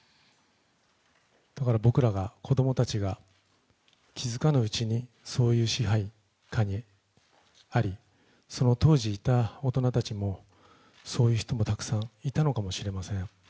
だから僕らが、子供たちが気づかぬうちにそういう支配下にありその当時いた大人たちも、そういう人もたくさんいたのかもしれません。